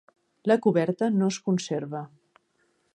La coberta no es conserva.